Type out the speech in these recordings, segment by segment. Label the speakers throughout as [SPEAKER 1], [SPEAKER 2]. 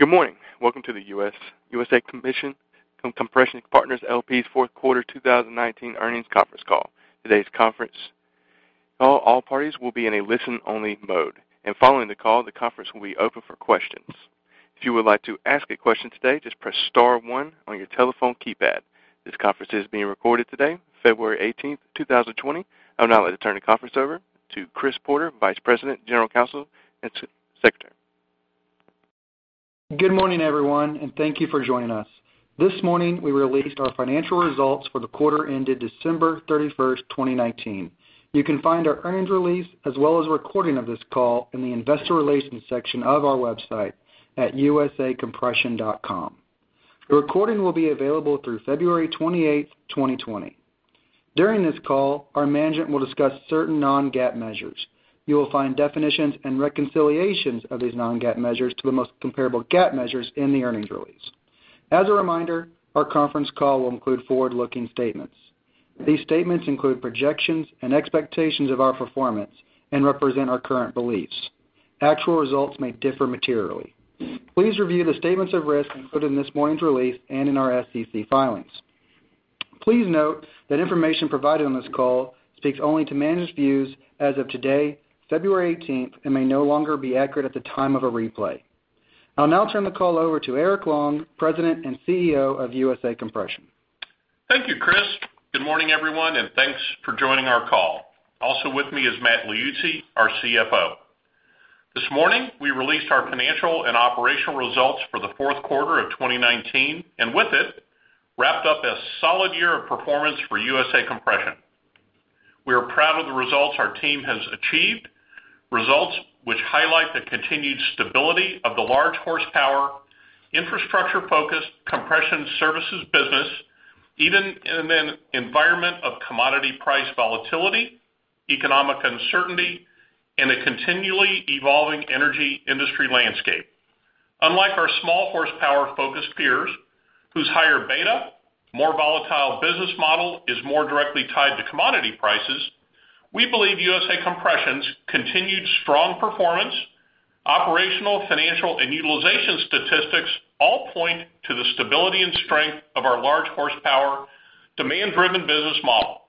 [SPEAKER 1] Good morning. Welcome to the USA Compression Partners, LP's fourth quarter 2019 earnings conference call. Today's conference call, all parties will be in a listen-only mode. Following the call, the conference will be open for questions. If you would like to ask a question today, just press star one on your telephone keypad. This conference is being recorded today, February 18, 2020. I would now like to turn the conference over to Chris Porter, Vice President, General Counsel, and Secretary.
[SPEAKER 2] Good morning, everyone, and thank you for joining us. This morning, we released our financial results for the quarter ended December 31, 2019. You can find our earnings release as well as a recording of this call in the investor relations section of our website at usacompression.com. The recording will be available through February 28, 2020. During this call, our management will discuss certain non-GAAP measures. You will find definitions and reconciliations of these non-GAAP measures to the most comparable GAAP measures in the earnings release. As a reminder, our conference call will include forward-looking statements. These statements include projections and expectations of our performance and represent our current beliefs. Actual results may differ materially. Please review the statements of risk included in this morning's release and in our SEC filings. Please note that information provided on this call speaks only to management's views as of today, February 18, and may no longer be accurate at the time of a replay. I'll now turn the call over to Eric Long, President and CEO of USA Compression.
[SPEAKER 3] Thank you, Chris. Good morning, everyone, and thanks for joining our call. Also with me is Matthew Liuzzi, our CFO. This morning, we released our financial and operational results for the fourth quarter of 2019, and with it, wrapped up a solid year of performance for USA Compression. We are proud of the results our team has achieved, results which highlight the continued stability of the large horsepower, infrastructure-focused compression services business, even in an environment of commodity price volatility, economic uncertainty, and a continually evolving energy industry landscape. Unlike our small horsepower-focused peers, whose higher beta, more volatile business model is more directly tied to commodity prices, we believe USA Compression's continued strong performance, operational, financial, and utilization statistics all point to the stability and strength of our large horsepower demand-driven business model.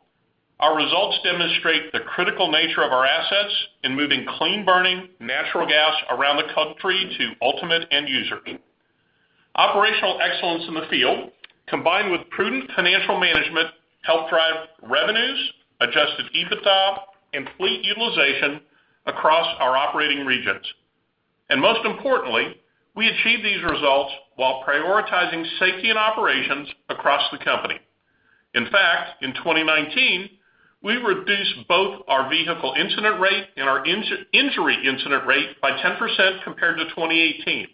[SPEAKER 3] Our results demonstrate the critical nature of our assets in moving clean-burning natural gas around the country to ultimate end users. Operational excellence in the field, combined with prudent financial management, help drive revenues, adjusted EBITDA, and fleet utilization across our operating regions. Most importantly, we achieve these results while prioritizing safety and operations across the company. In fact, in 2019, we reduced both our vehicle incident rate and our injury incident rate by 10% compared to 2018.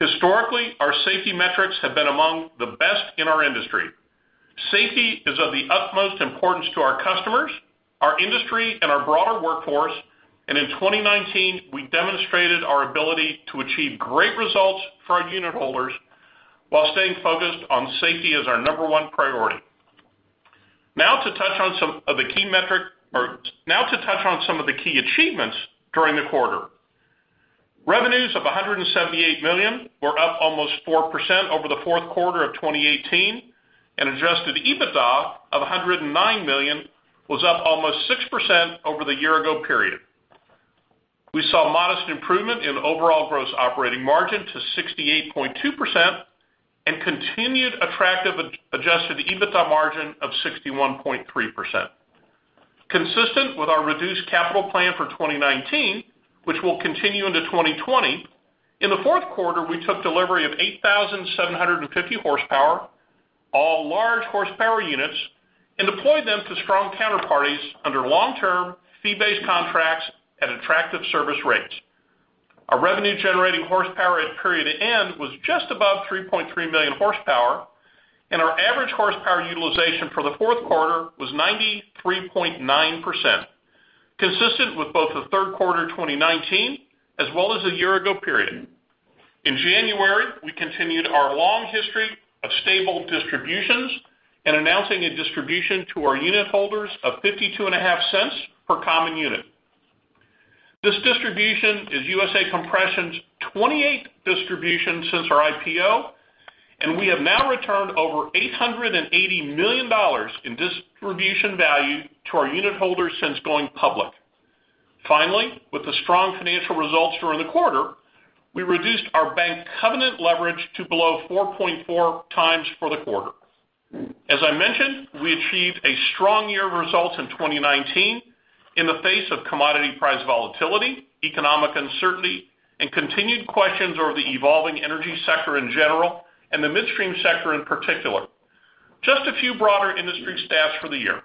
[SPEAKER 3] Historically, our safety metrics have been among the best in our industry. Safety is of the utmost importance to our customers, our industry, and our broader workforce, and in 2019, we demonstrated our ability to achieve great results for our unit holders while staying focused on safety as our number one priority. Now to touch on some of the key achievements during the quarter. Revenues of $178 million were up almost 4% over the fourth quarter of 2018. Adjusted EBITDA of $109 million was up almost 6% over the year-ago period. We saw modest improvement in overall gross operating margin to 68.2% and continued attractive adjusted EBITDA margin of 61.3%. Consistent with our reduced capital plan for 2019, which will continue into 2020, in the fourth quarter, we took delivery of 8,750 horsepower, all large horsepower units, and deployed them to strong counterparties under long-term, fee-based contracts at attractive service rates. Our revenue-generating horsepower at period end was just above 3.3 million horsepower. Our average horsepower utilization for the fourth quarter was 93.9%, consistent with both the third quarter 2019 as well as the year-ago period. In January, we continued our long history of stable distributions and announcing a distribution to our unit holders of $0.525 per common unit. This distribution is USA Compression's 28 distribution since our IPO, and we have now returned over $880 million in distribution value to our unit holders since going public. Finally, with the strong financial results during the quarter, we reduced our bank covenant leverage to below 4.4 times for the quarter. As I mentioned, we achieved a strong year of results in 2019 in the face of commodity price volatility, economic uncertainty, and continued questions over the evolving energy sector in general and the midstream sector in particular. Just a few broader industry stats for the year.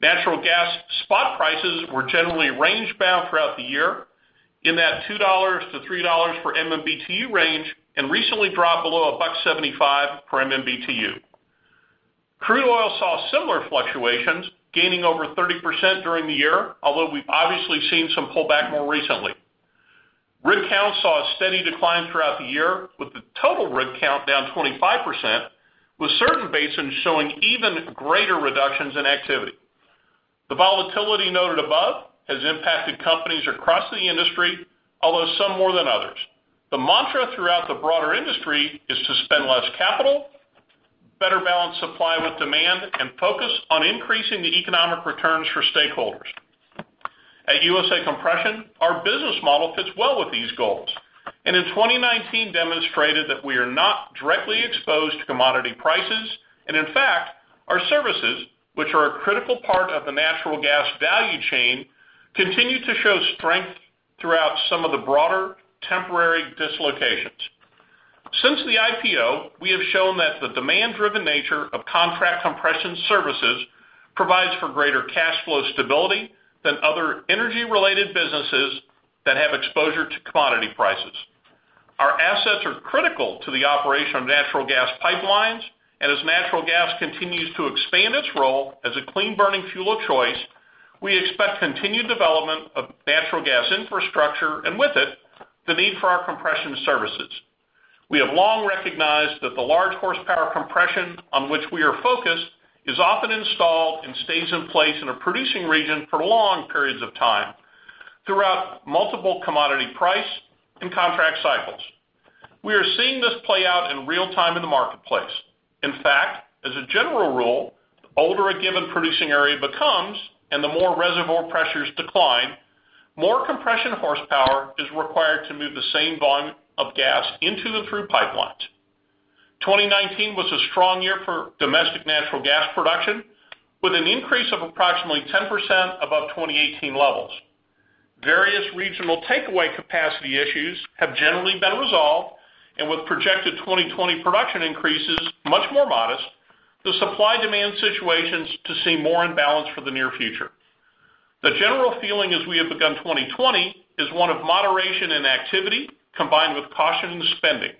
[SPEAKER 3] Natural gas spot prices were generally range-bound throughout the year in that $2 to $3 per MMBtu range and recently dropped below $1.75 per MMBtu. Crude oil saw similar fluctuations, gaining over 30% during the year, although we've obviously seen some pullback more recently. Rig count saw a steady decline throughout the year, with the total rig count down 25%, with certain basins showing even greater reductions in activity. The volatility noted above has impacted companies across the industry, although some more than others. The mantra throughout the broader industry is to spend less capital, better balance supply with demand, and focus on increasing the economic returns for stakeholders. At USA Compression, our business model fits well with these goals, and in 2019 demonstrated that we are not directly exposed to commodity prices, and in fact, our services, which are a critical part of the natural gas value chain, continue to show strength throughout some of the broader temporary dislocations. Since the IPO, we have shown that the demand-driven nature of contract compression services provides for greater cash flow stability than other energy-related businesses that have exposure to commodity prices. Our assets are critical to the operation of natural gas pipelines, and as natural gas continues to expand its role as a clean-burning fuel of choice, we expect continued development of natural gas infrastructure, and with it, the need for our compression services. We have long recognized that the large horsepower compression on which we are focused is often installed and stays in place in a producing region for long periods of time throughout multiple commodity price and contract cycles. We are seeing this play out in real time in the marketplace. In fact, as a general rule, the older a given producing area becomes and the more reservoir pressures decline, more compression horsepower is required to move the same volume of gas into and through pipelines. 2019 was a strong year for domestic natural gas production, with an increase of approximately 10% above 2018 levels. Various regional takeaway capacity issues have generally been resolved, and with projected 2020 production increases much more modest, the supply-demand situation's to see more imbalance for the near future. The general feeling as we have begun 2020 is one of moderation and activity, combined with caution and spending.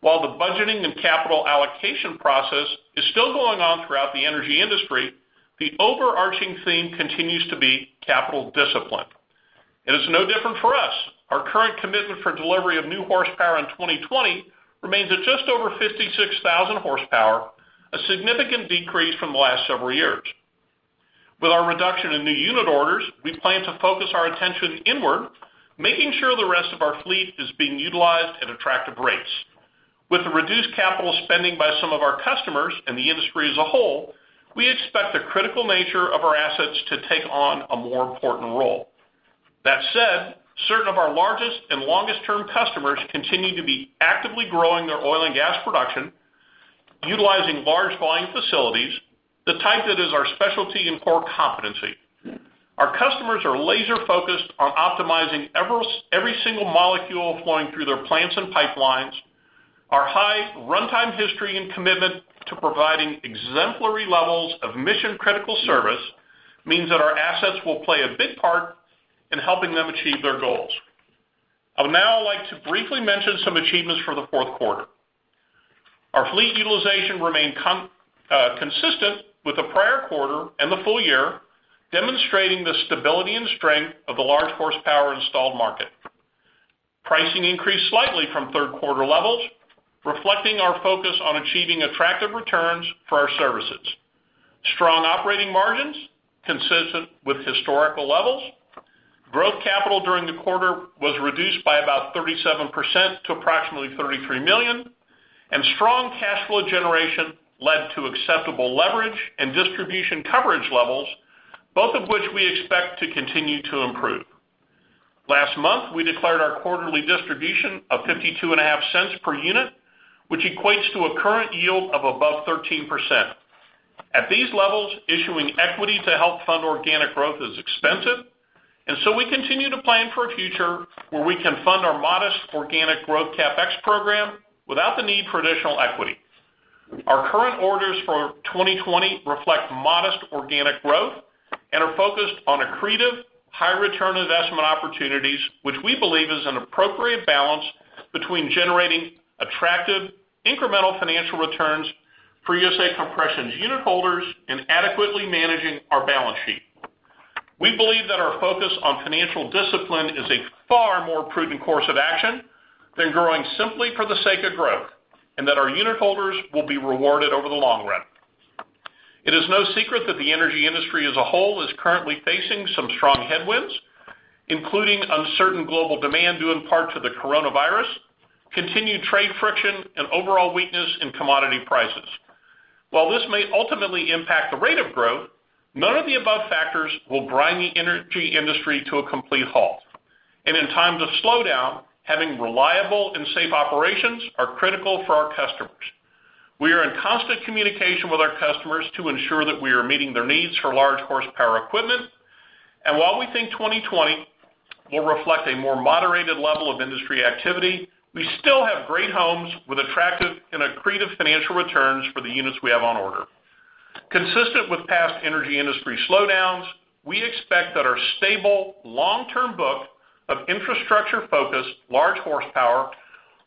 [SPEAKER 3] While the budgeting and capital allocation process is still going on throughout the energy industry, the overarching theme continues to be capital discipline. It is no different for us. Our current commitment for delivery of new horsepower in 2020 remains at just over 56,000 horsepower, a significant decrease from the last several years. With our reduction in new unit orders, we plan to focus our attention inward, making sure the rest of our fleet is being utilized at attractive rates. With the reduced capital spending by some of our customers and the industry as a whole, we expect the critical nature of our assets to take on a more important role. That said, certain of our largest and longest-term customers continue to be actively growing their oil and gas production, utilizing large volume facilities, the type that is our specialty and core competency. Our customers are laser-focused on optimizing every single molecule flowing through their plants and pipelines. Our high runtime history and commitment to providing exemplary levels of mission-critical service means that our assets will play a big part in helping them achieve their goals. I would now like to briefly mention some achievements for the fourth quarter. Our fleet utilization remained consistent with the prior quarter and the full year, demonstrating the stability and strength of the large horsepower installed market. Pricing increased slightly from third quarter levels, reflecting our focus on achieving attractive returns for our services. Strong operating margins, consistent with historical levels. Growth capital during the quarter was reduced by about 37% to approximately $33 million, and strong cash flow generation led to acceptable leverage and distribution coverage levels, both of which we expect to continue to improve. Last month, we declared our quarterly distribution of $0.525 per unit, which equates to a current yield of above 13%. At these levels, issuing equity to help fund organic growth is expensive, and so we continue to plan for a future where we can fund our modest organic growth CapEx program without the need for additional equity. Our current orders for 2020 reflect modest organic growth and are focused on accretive, high return investment opportunities, which we believe is an appropriate balance between generating attractive, incremental financial returns for USA Compression's unit holders and adequately managing our balance sheet. We believe that our focus on financial discipline is a far more prudent course of action than growing simply for the sake of growth, and that our unit holders will be rewarded over the long run. It is no secret that the energy industry as a whole is currently facing some strong headwinds, including uncertain global demand due in part to the coronavirus, continued trade friction, and overall weakness in commodity prices. While this may ultimately impact the rate of growth, none of the above factors will grind the energy industry to a complete halt. In times of slowdown, having reliable and safe operations are critical for our customers. We are in constant communication with our customers to ensure that we are meeting their needs for large horsepower equipment. While we think 2020 will reflect a more moderated level of industry activity, we still have great homes with attractive and accretive financial returns for the units we have on order. Consistent with past energy industry slowdowns, we expect that our stable, long-term book of infrastructure-focused, large horsepower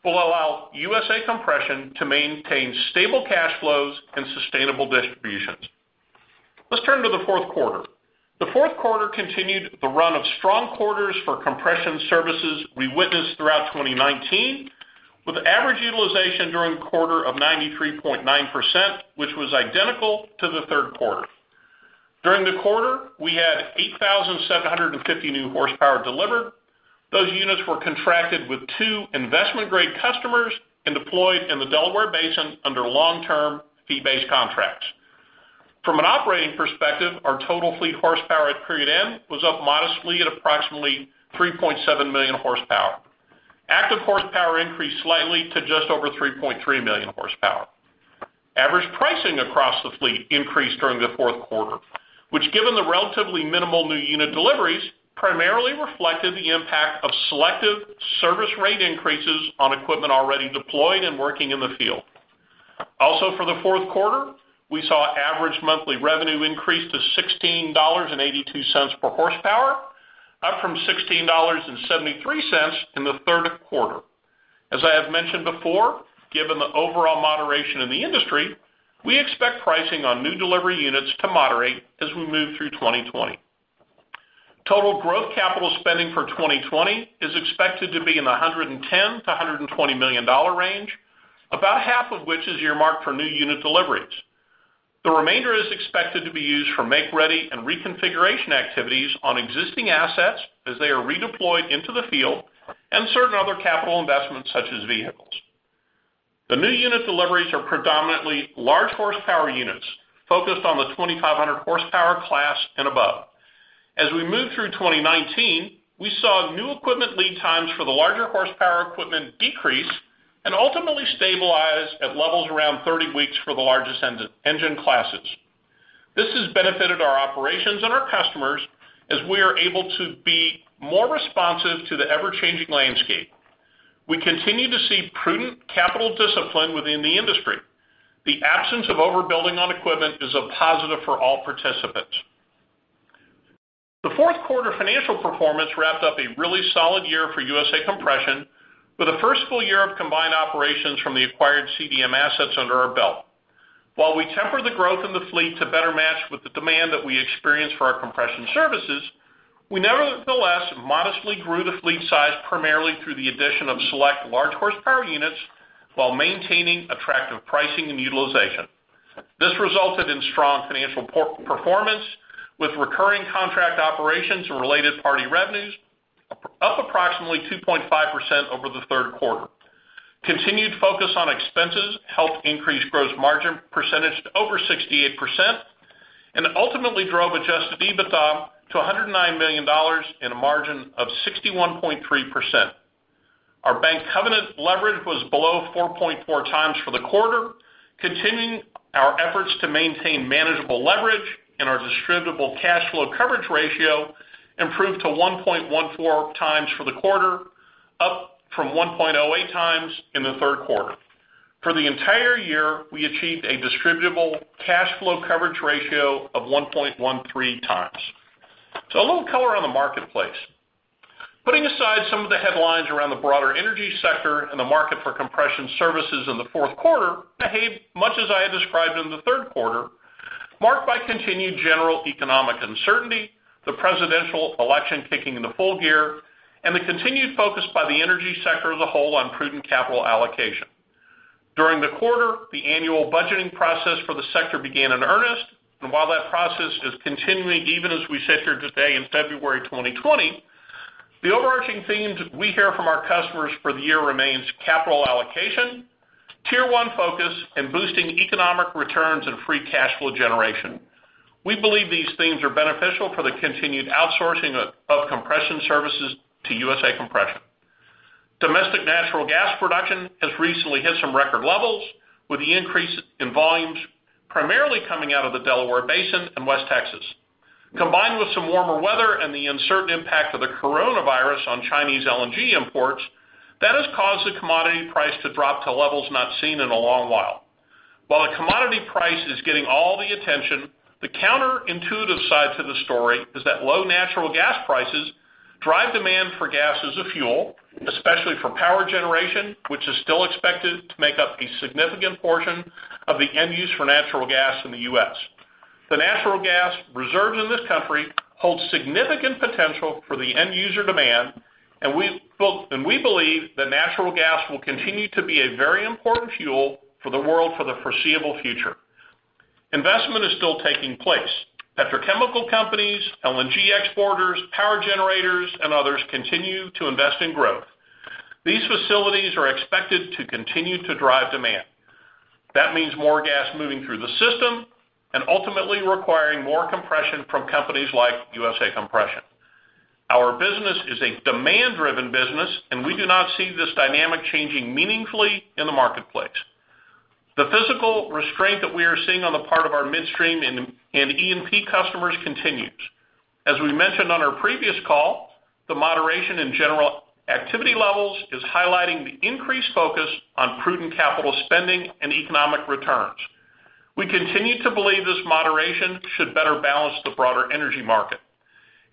[SPEAKER 3] will allow USA Compression to maintain stable cash flows and sustainable distributions. Let's turn to the fourth quarter. The fourth quarter continued the run of strong quarters for compression services we witnessed throughout 2019. With average utilization during the quarter of 93.9%, which was identical to the third quarter. During the quarter, we had 8,750 new horsepower delivered. Those units were contracted with two investment-grade customers and deployed in the Delaware Basin under long-term fee-based contracts. From an operating perspective, our total fleet horsepower at period end was up modestly at approximately 3.7 million horsepower. Active horsepower increased slightly to just over 3.3 million horsepower. Average pricing across the fleet increased during the fourth quarter, which, given the relatively minimal new unit deliveries, primarily reflected the impact of selective service rate increases on equipment already deployed and working in the field. Also for the fourth quarter, we saw average monthly revenue increase to $16.82 per horsepower, up from $16.73 in the third quarter. As I have mentioned before, given the overall moderation in the industry, we expect pricing on new delivery units to moderate as we move through 2020. Total growth capital spending for 2020 is expected to be in the $110 million to $120 million range, about half of which is earmarked for new unit deliveries. The remainder is expected to be used for make-ready and reconfiguration activities on existing assets as they are redeployed into the field and certain other capital investments such as vehicles. The new unit deliveries are predominantly large horsepower units focused on the 2,500 horsepower class and above. As we moved through 2019, we saw new equipment lead times for the larger horsepower equipment decrease and ultimately stabilize at levels around 30 weeks for the largest engine classes. This has benefited our operations and our customers as we are able to be more responsive to the ever-changing landscape. We continue to see prudent capital discipline within the industry. The absence of overbuilding on equipment is a positive for all participants. The fourth quarter financial performance wrapped up a really solid year for USA Compression, with a first full year of combined operations from the acquired CDM assets under our belt. While we temper the growth in the fleet to better match with the demand that we experience for our compression services, we nevertheless modestly grew the fleet size primarily through the addition of select large horsepower units while maintaining attractive pricing and utilization. This resulted in strong financial performance with recurring contract operations and related party revenues up approximately 2.5% over the third quarter. Continued focus on expenses helped increase gross margin percentage to over 68%, and ultimately drove adjusted EBITDA to $109 million in a margin of 61.3%. Our bank covenant leverage was below 4.4 times for the quarter, continuing our efforts to maintain manageable leverage and our distributable cash flow coverage ratio improved to 1.14 times for the quarter, up from 1.08 times in the third quarter. For the entire year, we achieved a distributable cash flow coverage ratio of 1.13 times. A little color on the marketplace. Putting aside some of the headlines around the broader energy sector and the market for compression services in the fourth quarter behaved much as I had described in the third quarter, marked by continued general economic uncertainty, the presidential election kicking into full gear, and the continued focus by the energy sector as a whole on prudent capital allocation. During the quarter, the annual budgeting process for the sector began in earnest, and while that process is continuing, even as we sit here today in February 2020, the overarching themes we hear from our customers for the year remains capital allocation, Tier 1 focus, and boosting economic returns and free cash flow generation. We believe these themes are beneficial for the continued outsourcing of compression services to USA Compression. Domestic natural gas production has recently hit some record levels, with the increase in volumes primarily coming out of the Delaware Basin and West Texas. Combined with some warmer weather and the uncertain impact of the coronavirus on Chinese LNG imports, that has caused the commodity price to drop to levels not seen in a long while. While the commodity price is getting all the attention, the counterintuitive side to the story is that low natural gas prices drive demand for gas as a fuel, especially for power generation, which is still expected to make up a significant portion of the end use for natural gas in the U.S. The natural gas reserves in this country hold significant potential for the end user demand, and we believe that natural gas will continue to be a very important fuel for the world for the foreseeable future. Investment is still taking place. Petrochemical companies, LNG exporters, power generators, and others continue to invest in growth. These facilities are expected to continue to drive demand. That means more gas moving through the system and ultimately requiring more compression from companies like USA Compression. Our business is a demand-driven business and we do not see this dynamic changing meaningfully in the marketplace. The physical restraint that we are seeing on the part of our midstream and E&P customers continues. As we mentioned on our previous call, the moderation in general activity levels is highlighting the increased focus on prudent capital spending and economic returns. We continue to believe this moderation should better balance the broader energy market.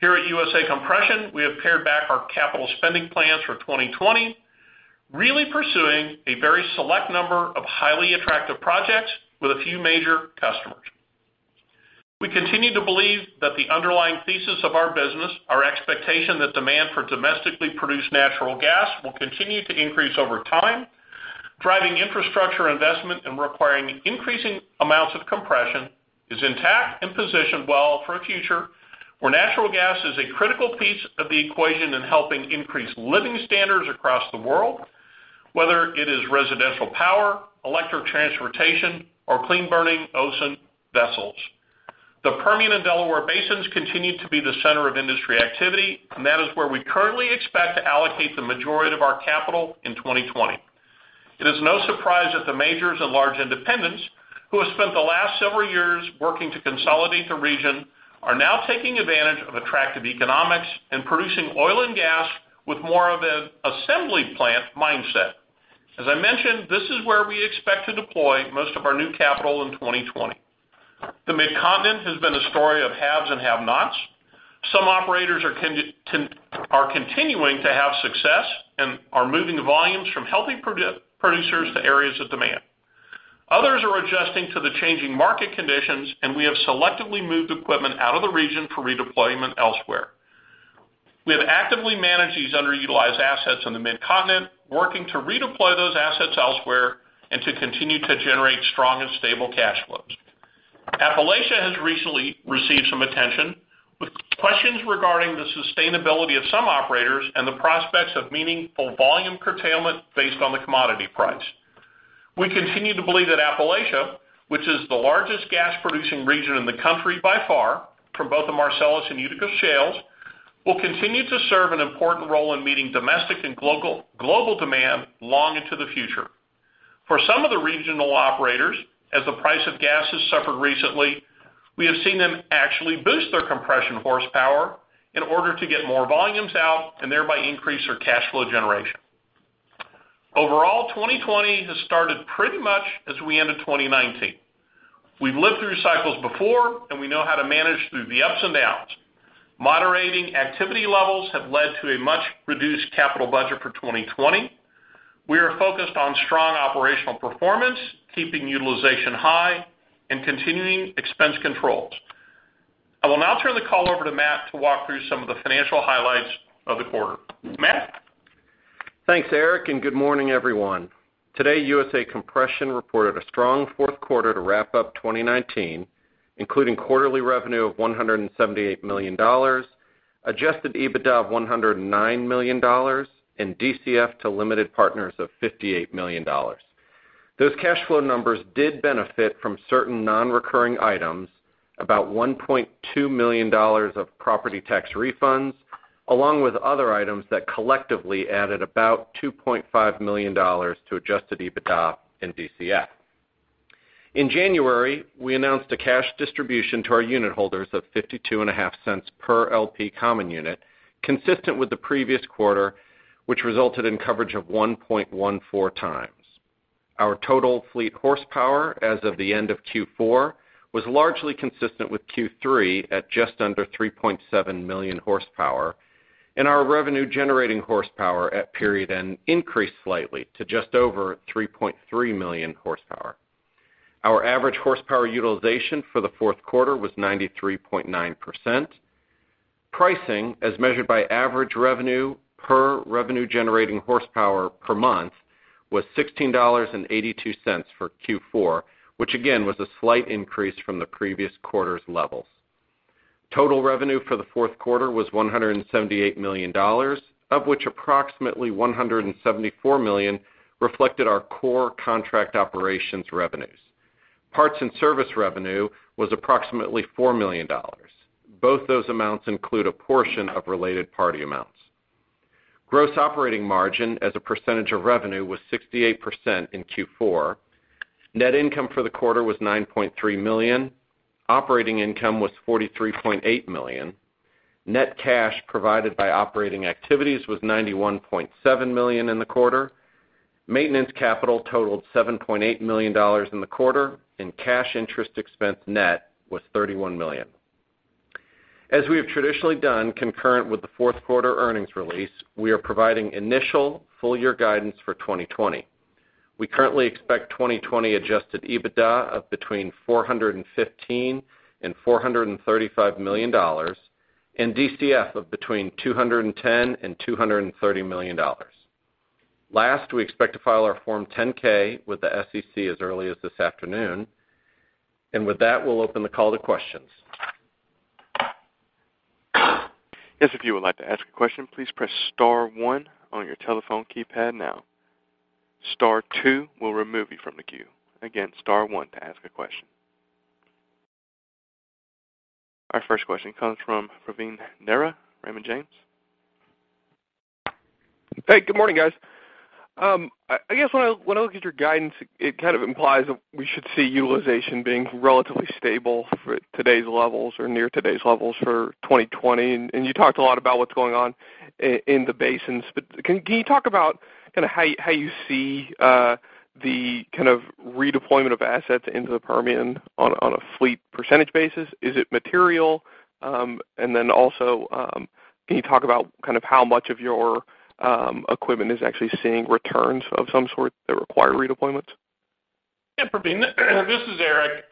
[SPEAKER 3] Here at USA Compression, we have pared back our capital spending plans for 2020, really pursuing a very select number of highly attractive projects with a few major customers. We continue to believe that the underlying thesis of our business, our expectation that demand for domestically produced natural gas will continue to increase over time, driving infrastructure investment and requiring increasing amounts of compression, is intact and positioned well for a future where natural gas is a critical piece of the equation in helping increase living standards across the world, whether it is residential power, electric transportation, or clean burning ocean vessels. That is where we currently expect to allocate the majority of our capital in 2020. It is no surprise that the majors and large independents who have spent the last several years working to consolidate the region are now taking advantage of attractive economics and producing oil and gas with more of an assembly plant mindset. As I mentioned, this is where we expect to deploy most of our new capital in 2020. The Mid-Continent has been a story of haves and have-nots. Some operators are continuing to have success and are moving volumes from healthy producers to areas of demand. Others are adjusting to the changing market conditions, and we have selectively moved equipment out of the region for redeployment elsewhere. We have actively managed these underutilized assets in the Mid-Continent, working to redeploy those assets elsewhere and to continue to generate strong and stable cash flows. Appalachia has recently received some attention with questions regarding the sustainability of some operators and the prospects of meaningful volume curtailment based on the commodity price. We continue to believe that Appalachia, which is the largest gas-producing region in the country by far from both the Marcellus and Utica shales, will continue to serve an important role in meeting domestic and global demand long into the future. For some of the regional operators, as the price of gas has suffered recently, we have seen them actually boost their compression horsepower in order to get more volumes out and thereby increase their cash flow generation. Overall, 2020 has started pretty much as we ended 2019. We have lived through cycles before, and we know how to manage through the ups and downs. Moderating activity levels have led to a much-reduced capital budget for 2020. We are focused on strong operational performance, keeping utilization high, and continuing expense controls. I will now turn the call over to Matt to walk through some of the financial highlights of the quarter. Matt?
[SPEAKER 4] Thanks, Eric. Good morning, everyone. Today, USA Compression reported a strong fourth quarter to wrap up 2019, including quarterly revenue of $178 million, adjusted EBITDA of $109 million, and DCF to limited partners of $58 million. Those cash flow numbers did benefit from certain non-recurring items, about $1.2 million of property tax refunds, along with other items that collectively added about $2.5 million to adjusted EBITDA and DCF. In January, we announced a cash distribution to our unit holders of $0.525 per LP common unit, consistent with the previous quarter, which resulted in coverage of 1.14 times. Our total fleet horsepower as of the end of Q4 was largely consistent with Q3 at just under 3.7 million horsepower. Our revenue-generating horsepower at period end increased slightly to just over 3.3 million horsepower. Our average horsepower utilization for the fourth quarter was 93.9%. Pricing, as measured by average revenue per revenue-generating horsepower per month, was $16.82 for Q4, which again was a slight increase from the previous quarter's levels. Total revenue for the fourth quarter was $178 million, of which approximately $174 million reflected our core contract operations revenues. Parts and service revenue was approximately $4 million. Both those amounts include a portion of related party amounts. Gross operating margin as a percentage of revenue was 68% in Q4. Net income for the quarter was $9.3 million. Operating income was $43.8 million. Net cash provided by operating activities was $91.7 million in the quarter. Maintenance capital totaled $7.8 million in the quarter, and cash interest expense net was $31 million. As we have traditionally done concurrent with the fourth quarter earnings release, we are providing initial full-year guidance for 2020. We currently expect 2020 adjusted EBITDA of between $415 and $435 million, and DCF of between $210 and $230 million. Last, we expect to file our Form 10-K with the SEC as early as this afternoon. With that, we'll open the call to questions.
[SPEAKER 1] Yes, if you would like to ask a question, please press star one on your telephone keypad now. Star two will remove you from the queue. Again, star one to ask a question. Our first question comes from Praveen Narra, Raymond James.
[SPEAKER 5] Hey. Good morning, guys. I guess when I look at your guidance, it kind of implies that we should see utilization being relatively stable for today's levels or near today's levels for 2020. You talked a lot about what's going on in the basins. Can you talk about how you see the kind of redeployment of assets into the Permian on a fleet percentage basis? Is it material? Also, can you talk about how much of your equipment is actually seeing returns of some sort that require redeployments?
[SPEAKER 3] Praveen, this is Eric.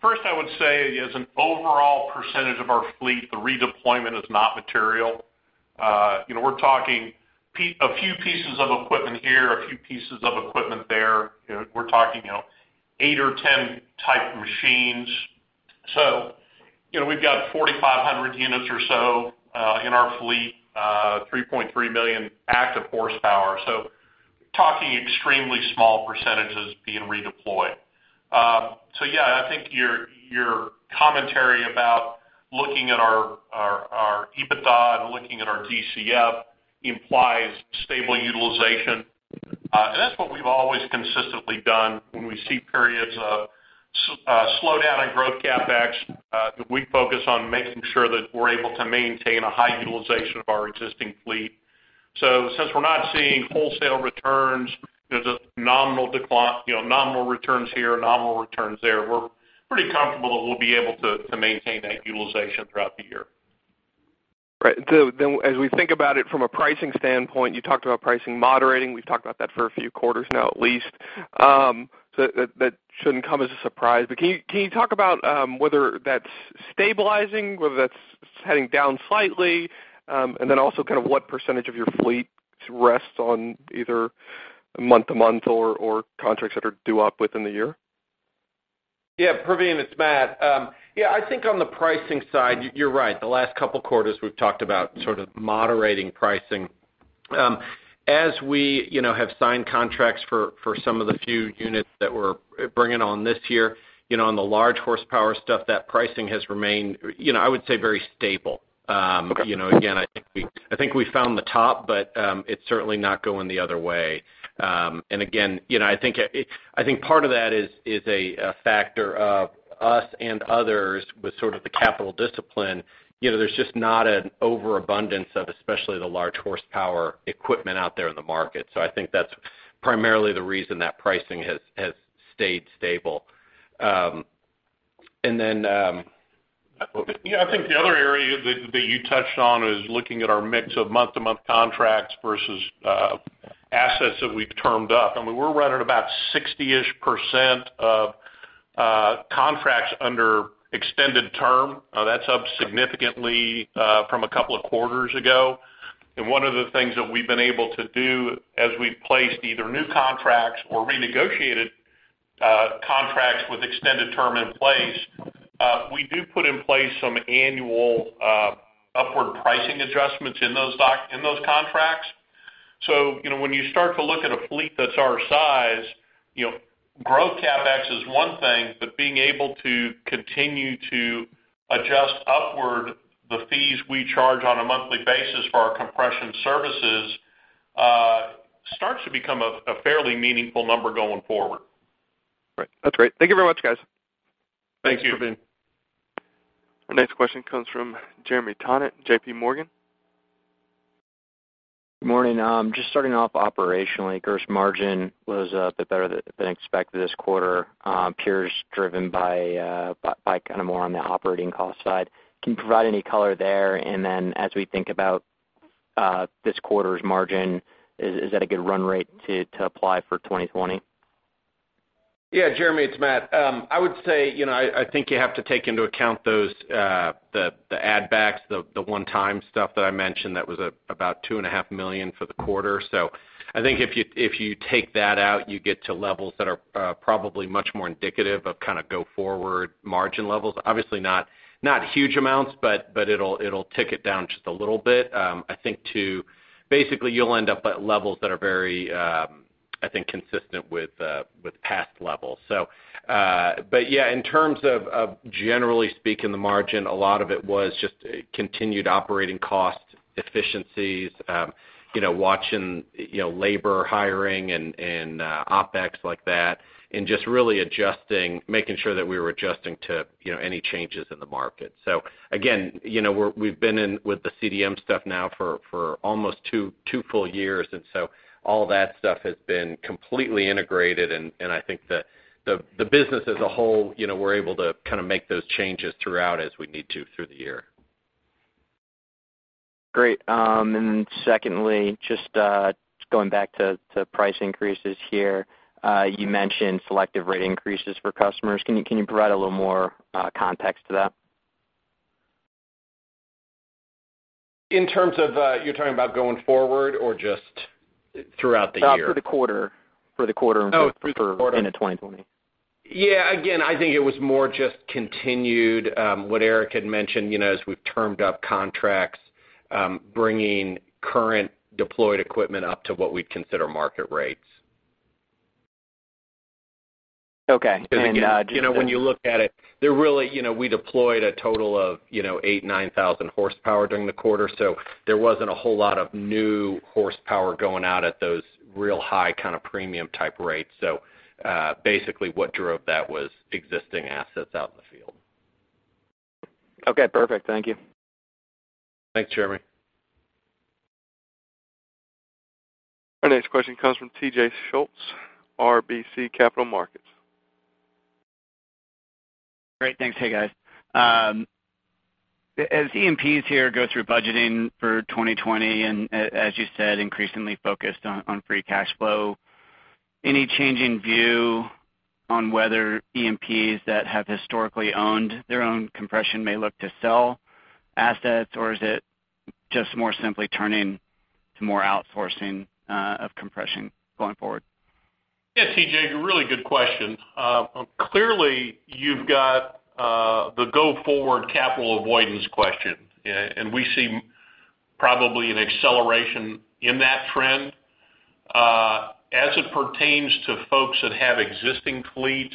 [SPEAKER 3] First, I would say as an overall percentage of our fleet, the redeployment is not material. We're talking a few pieces of equipment here, a few pieces of equipment there. We're talking eight or 10 type of machines. We've got 4,500 units or so in our fleet, 3.3 million active horsepower. Talking extremely small percentages being redeployed. I think your commentary about looking at our EBITDA and looking at our DCF implies stable utilization. That's what we've always consistently done when we see periods of slowdown in growth CapEx, that we focus on making sure that we're able to maintain a high utilization of our existing fleet. Since we're not seeing wholesale returns, there's a nominal decline, nominal returns here and nominal returns there. We're pretty comfortable that we'll be able to maintain that utilization throughout the year.
[SPEAKER 5] Right. As we think about it from a pricing standpoint, you talked about pricing moderating. We've talked about that for a few quarters now at least. That shouldn't come as a surprise. Can you talk about whether that's stabilizing, whether that's heading down slightly, and then also kind of what percentage of your fleet rests on either month-to-month or contracts that are due up within the year?
[SPEAKER 4] Praveen, it's Matt. I think on the pricing side, you're right. The last couple of quarters we've talked about sort of moderating pricing. As we have signed contracts for some of the few units that we are bringing on this year, on the large horsepower stuff, that pricing has remained, I would say very stable.
[SPEAKER 5] Okay.
[SPEAKER 4] Again, I think we found the top, but it's certainly not going the other way. Again, I think part of that is a factor of us and others with sort of the capital discipline. There's just not an overabundance of especially the large horsepower equipment out there in the market. I think that's primarily the reason that pricing has stayed stable.
[SPEAKER 3] I think the other area that you touched on is looking at our mix of month-to-month contracts versus assets that we've termed up. I mean, we're running about 60-ish% of contracts under extended term. That's up significantly from a couple of quarters ago. One of the things that we've been able to do as we've placed either new contracts or renegotiated contracts with extended term in place, we do put in place some annual upward pricing adjustments in those contracts. When you start to look at a fleet that's our size, growth CapEx is one thing, but being able to continue to adjust upward the fees we charge on a monthly basis for our compression services starts to become a fairly meaningful number going forward.
[SPEAKER 5] Right. That's great. Thank you very much, guys.
[SPEAKER 4] Thank you.
[SPEAKER 3] Thanks, Praveen.
[SPEAKER 1] Our next question comes from Jeremy Tonet, J.P. Morgan.
[SPEAKER 6] Good morning. Just starting off operationally, gross margin was a bit better than expected this quarter. Appears driven by kind of more on the operating cost side. Can you provide any color there? As we think about this quarter's margin, is that a good run rate to apply for 2020?
[SPEAKER 4] Jeremy, it's Matt. I would say, I think you have to take into account the add backs, the one-time stuff that I mentioned, that was about two and a half million for the quarter. I think if you take that out, you get to levels that are probably much more indicative of kind of go forward margin levels. Obviously not huge amounts, it'll tick it down just a little bit. I think basically you'll end up at levels that are very consistent with past levels. In terms of generally speaking, the margin, a lot of it was just continued operating cost efficiencies, watching labor hiring and OpEx like that, and just really making sure that we were adjusting to any changes in the market. Again, we've been in with the CDM stuff now for almost two full years, all that stuff has been completely integrated. I think the business as a whole, we're able to kind of make those changes throughout as we need to through the year.
[SPEAKER 6] Great. Then secondly, just going back to price increases here. You mentioned selective rate increases for customers. Can you provide a little more context to that?
[SPEAKER 4] You are talking about going forward or just throughout the year?
[SPEAKER 6] For the quarter into 2020.
[SPEAKER 4] Yeah, again, I think it was more just continued what Eric had mentioned, as we've termed up contracts, bringing current deployed equipment up to what we'd consider market rates.
[SPEAKER 6] Okay.
[SPEAKER 4] When you look at it, we deployed a total of 8,000, 9,000 horsepower during the quarter. There wasn't a whole lot of new horsepower going out at those real high kind of premium type rates. Basically what drove that was existing assets out in the field.
[SPEAKER 6] Okay, perfect. Thank you.
[SPEAKER 4] Thanks, Jeremy.
[SPEAKER 1] Our next question comes from T.J. Schultz, RBC Capital Markets.
[SPEAKER 7] Great. Thanks. Hey, guys. As E&Ps here go through budgeting for 2020, and as you said, increasingly focused on free cash flow, any changing view on whether E&Ps that have historically owned their own compression may look to sell assets, or is it just more simply turning to more outsourcing of compression going forward?
[SPEAKER 3] Yeah, T.J., really good question. Clearly, you've got the go-forward capital avoidance question, and we see probably an acceleration in that trend. As it pertains to folks that have existing fleets,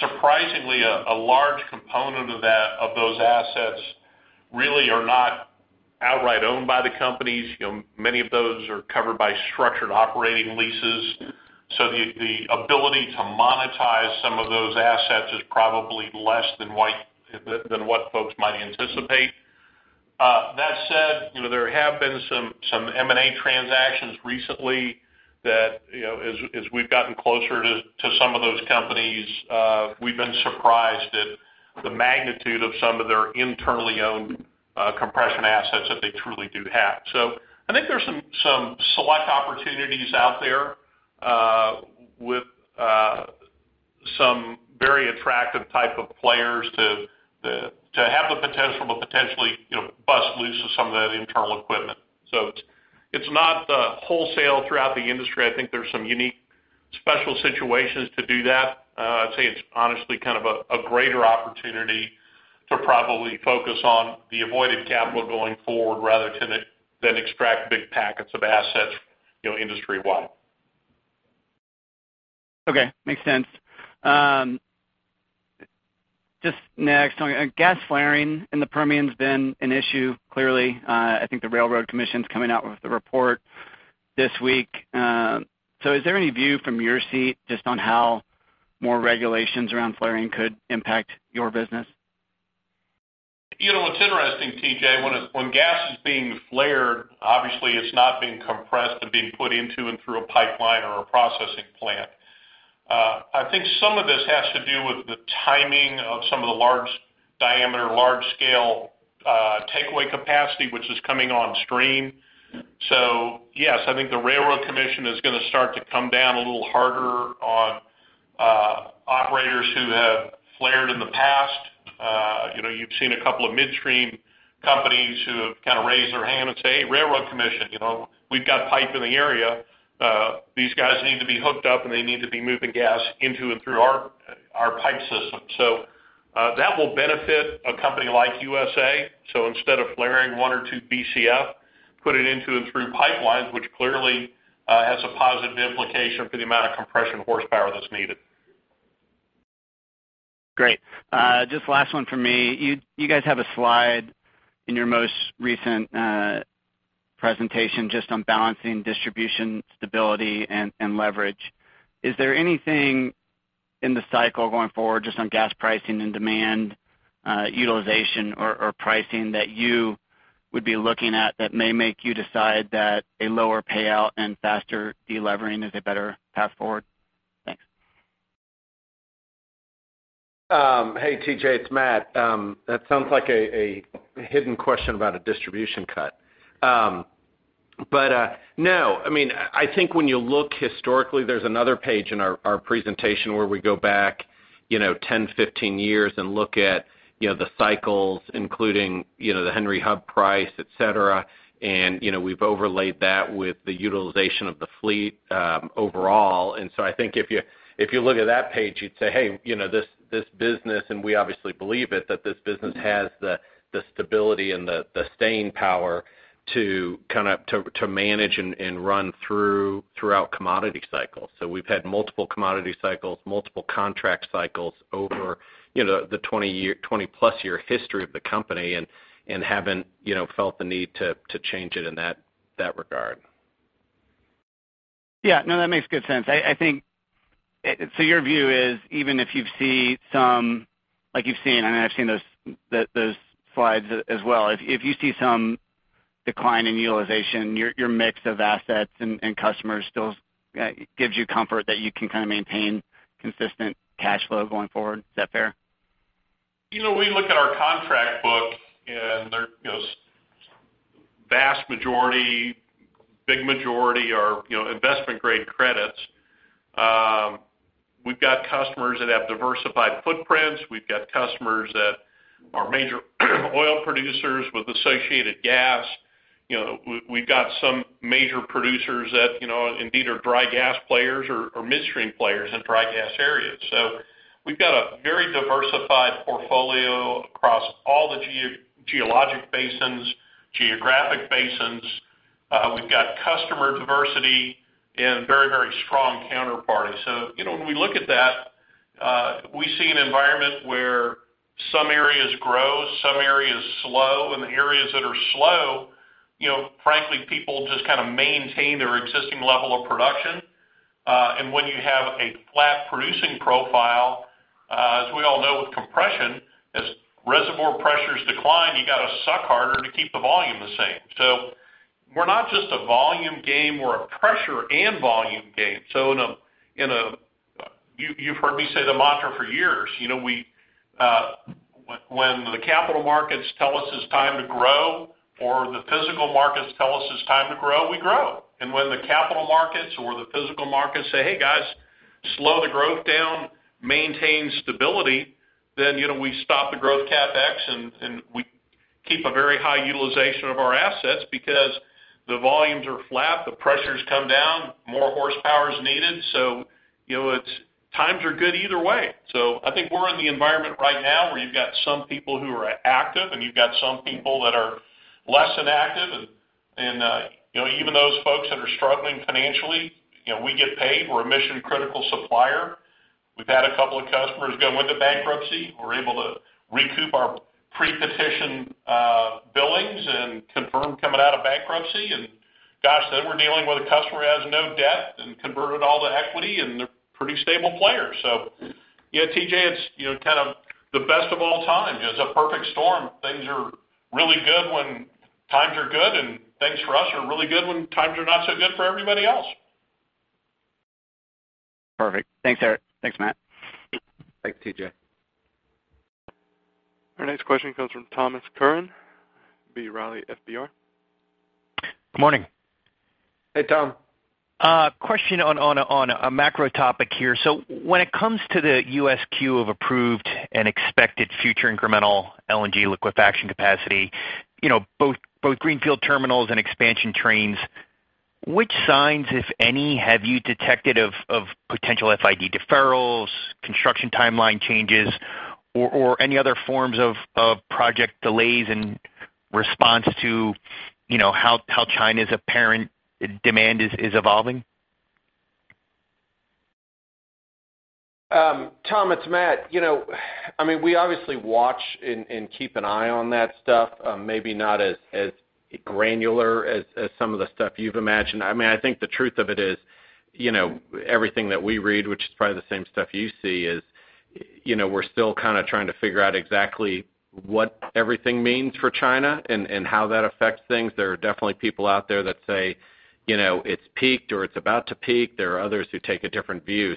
[SPEAKER 3] surprisingly, a large component of those assets really are not outright owned by the companies. Many of those are covered by structured operating leases. The ability to monetize some of those assets is probably less than what folks might anticipate. That said, there have been some M&A transactions recently that, as we've gotten closer to some of those companies, we've been surprised at the magnitude of some of their internally owned compression assets that they truly do have. I think there's some select opportunities out there with some very attractive type of players to have the potential to potentially bust loose some of that internal equipment. It's not wholesale throughout the industry. I think there's some unique special situations to do that. I'd say it's honestly kind of a greater opportunity to probably focus on the avoided capital going forward rather than extract big packets of assets industry wide.
[SPEAKER 7] Okay. Makes sense. Just next, gas flaring in the Permian's been an issue, clearly. I think the Railroad Commission's coming out with a report this week. Is there any view from your seat just on how more regulations around flaring could impact your business?
[SPEAKER 3] It's interesting, T.J. When gas is being flared, obviously it's not being compressed and being put into and through a pipeline or a processing plant. I think some of this has to do with the timing of some of the large diameter, large scale takeaway capacity, which is coming on stream. Yes, I think the Railroad Commission is going to start to come down a little harder on operators who have flared in the past. You've seen a couple of midstream companies who have kind of raised their hand and say, "Hey, Railroad Commission, we've got pipe in the area. These guys need to be hooked up, and they need to be moving gas into and through our pipe system." That will benefit a company like USA. Instead of flaring one or two BCF, put it into and through pipelines, which clearly has a positive implication for the amount of compression horsepower that's needed.
[SPEAKER 7] Great. Just last one from me. You guys have a slide in your most recent presentation just on balancing distribution, stability, and leverage. Is there anything in the cycle going forward just on gas pricing and demand utilization or pricing that you would be looking at that may make you decide that a lower payout and faster de-levering is a better path forward? Thanks.
[SPEAKER 4] Hey, T.J., it's Matt. That sounds like a hidden question about a distribution cut. No, I think when you look historically, there's another page in our presentation where we go back 10, 15 years and look at the cycles, including the Henry Hub price, et cetera, and we've overlaid that with the utilization of the fleet overall. I think if you look at that page, you'd say, "Hey, this business," and we obviously believe it, that this business has the stability and the staying power to manage and run throughout commodity cycles. We've had multiple commodity cycles, multiple contract cycles over the 20-plus year history of the company and haven't felt the need to change it in that regard.
[SPEAKER 7] Yeah. No, that makes good sense. Your view is even if you see some, like you've seen, and I've seen those slides as well. If you see some decline in utilization, your mix of assets and customers still gives you comfort that you can kind of maintain consistent cash flow going forward. Is that fair?
[SPEAKER 4] We look at our contract book, vast majority, big majority are investment grade credits. We've got customers that have diversified footprints. We've got customers that are major oil producers with associated gas. We've got some major producers that indeed are dry gas players or midstream players in dry gas areas. We've got a very diversified portfolio across all the geologic basins, geographic basins. We've got customer diversity and very strong counterparties. When we look at that, we see an environment where some areas grow, some areas slow. In the areas that are slow, frankly, people just kind of maintain their existing level of production. When you have a flat producing profile, as we all know with compression, as reservoir pressures decline, you got to suck harder to keep the volume the same. We're not just a volume game, we're a pressure and volume game. You've heard me say the mantra for years. When the capital markets tell us it's time to grow or the physical markets tell us it's time to grow, we grow. When the capital markets or the physical markets say, "Hey, guys, slow the growth down, maintain stability," we stop the growth CapEx, we keep a very high utilization of our assets because the volumes are flat, the pressure's come down, more horsepower is needed. Times are good either way. I think we're in the environment right now where you've got some people who are active, and you've got some people that are less inactive. Even those folks that are struggling financially, we get paid. We're a mission-critical supplier. We've had a couple of customers go into bankruptcy. We're able to recoup our pre-petition billings and confirm coming out of bankruptcy. Gosh, then we're dealing with a customer who has no debt and converted all to equity, and they're pretty stable players. Yeah, T.J., it's kind of the best of all times. It's a perfect storm. Things are really good when times are good, and things for us are really good when times are not so good for everybody else.
[SPEAKER 7] Perfect. Thanks, Matt.
[SPEAKER 4] Thanks, T.J.
[SPEAKER 1] Our next question comes from Thomas Curran, B. Riley FBR.
[SPEAKER 8] Good morning.
[SPEAKER 3] Hey, Tom.
[SPEAKER 8] Question on a macro topic here. When it comes to the U.S. queue of approved and expected future incremental LNG liquefaction capacity, both greenfield terminals and expansion trains, which signs, if any, have you detected of potential FID deferrals, construction timeline changes, or any other forms of project delays in response to how China's apparent demand is evolving?
[SPEAKER 4] Thomas, it's Matthew. We obviously watch and keep an eye on that stuff. Maybe not as granular as some of the stuff you've imagined. I think the truth of it is, everything that we read, which is probably the same stuff you see, is we're still kind of trying to figure out exactly what everything means for China and how that affects things. There are definitely people out there that say, it's peaked or it's about to peak. There are others who take a different view.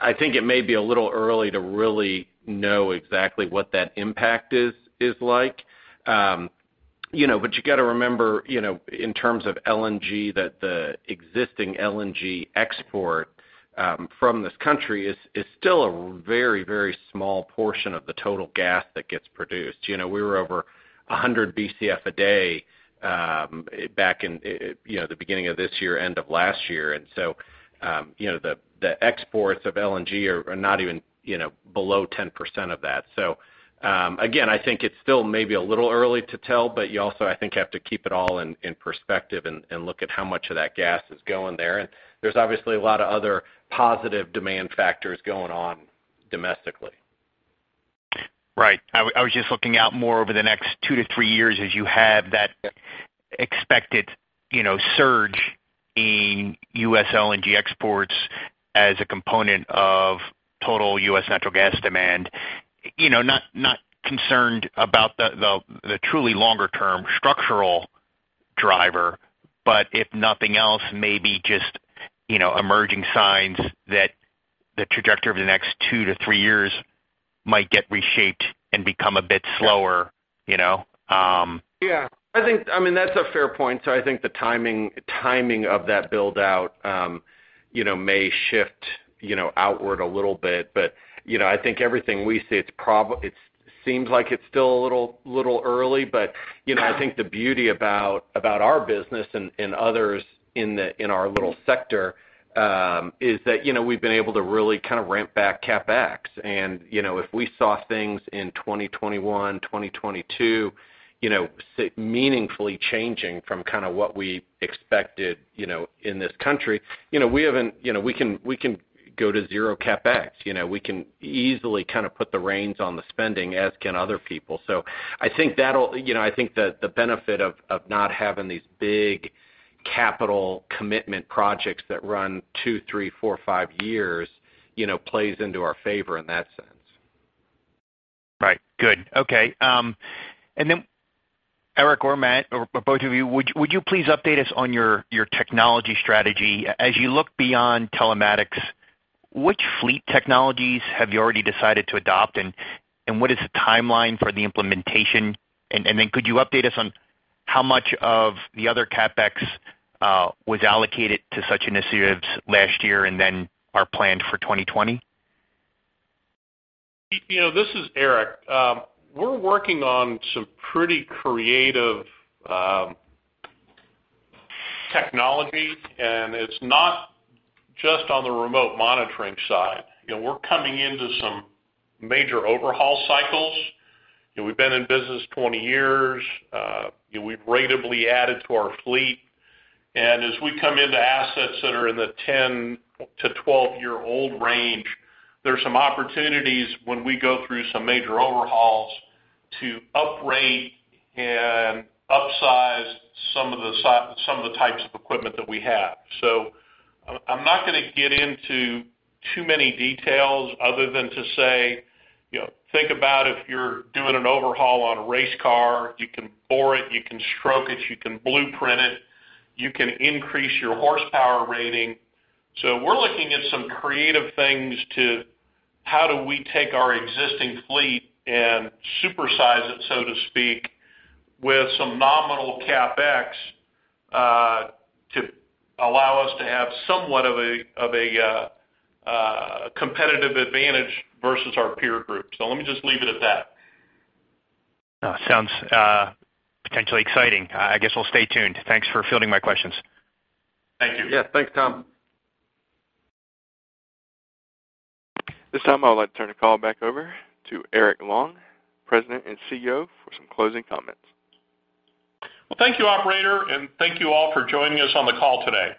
[SPEAKER 4] I think it may be a little early to really know exactly what that impact is like. You got to remember, in terms of LNG, that the existing LNG export from this country is still a very small portion of the total gas that gets produced. We were over 100 BCF a day back in the beginning of this year, end of last year. The exports of LNG are not even below 10% of that. Again, I think it's still maybe a little early to tell, but you also, I think, have to keep it all in perspective and look at how much of that gas is going there. There's obviously a lot of other positive demand factors going on domestically.
[SPEAKER 8] Right. I was just looking out more over the next two to three years as you have that expected surge in U.S. LNG exports as a component of total U.S. natural gas demand. Not concerned about the truly longer term structural driver, but if nothing else, maybe just emerging signs that the trajectory over the next two to three years might get reshaped and become a bit slower.
[SPEAKER 4] Yeah. That's a fair point. I think the timing of that build-out may shift outward a little bit. I think everything we see, it seems like it's still a little early. I think the beauty about our business and others in our little sector, is that we've been able to really kind of ramp back CapEx. If we saw things in 2021, 2022 meaningfully changing from kind of what we expected in this country, we can go to zero CapEx. We can easily kind of put the reins on the spending, as can other people. I think the benefit of not having these big capital commitment projects that run two, three, four, five years plays into our favor in that sense.
[SPEAKER 8] Right. Good. Okay. Eric or Matt or both of you, would you please update us on your technology strategy? As you look beyond telematics, which fleet technologies have you already decided to adopt, and what is the timeline for the implementation? Could you update us on how much of the other CapEx was allocated to such initiatives last year and then are planned for 2020?
[SPEAKER 3] This is Eric. We're working on some pretty creative technology. It's not just on the remote monitoring side. We're coming into some major overhaul cycles. We've been in business 20 years. We've ratably added to our fleet. As we come into assets that are in the 10- to 12-year-old range, there's some opportunities when we go through some major overhauls to upgrade and upsize some of the types of equipment that we have. I'm not going to get into too many details other than to say, think about if you're doing an overhaul on a race car, you can bore it, you can stroke it, you can blueprint it, you can increase your horsepower rating. We're looking at some creative things to how do we take our existing fleet and supersize it, so to speak, with some nominal CapEx, to allow us to have somewhat of a competitive advantage versus our peer group. Let me just leave it at that.
[SPEAKER 8] Sounds potentially exciting. I guess we'll stay tuned. Thanks for fielding my questions.
[SPEAKER 3] Thank you.
[SPEAKER 4] Yeah. Thanks, Tom.
[SPEAKER 1] This time, I would like to turn the call back over to Eric Long, President and CEO, for some closing comments.
[SPEAKER 3] Thank you, operator, and thank you all for joining us on the call today.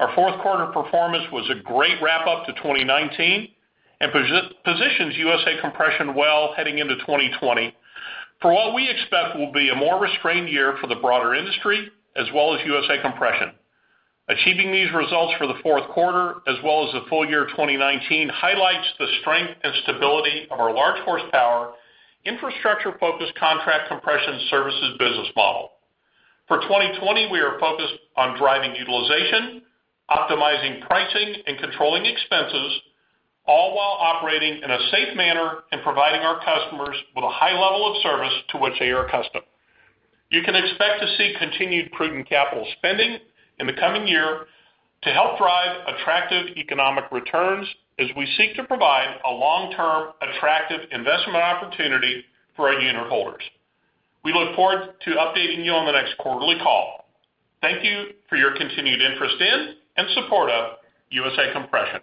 [SPEAKER 3] Our fourth quarter performance was a great wrap-up to 2019 and positions USA Compression well heading into 2020, for what we expect will be a more restrained year for the broader industry as well as USA Compression. Achieving these results for the fourth quarter as well as the full year 2019 highlights the strength and stability of our large horsepower, infrastructure-focused contract compression services business model. For 2020, we are focused on driving utilization, optimizing pricing, and controlling expenses, all while operating in a safe manner and providing our customers with a high level of service to which they are accustomed. You can expect to see continued prudent capital spending in the coming year to help drive attractive economic returns as we seek to provide a long-term attractive investment opportunity for our unitholders. We look forward to updating you on the next quarterly call. Thank you for your continued interest in and support of USA Compression.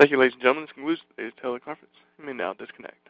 [SPEAKER 1] Thank you, ladies and gentlemen. This concludes today's teleconference. You may now disconnect.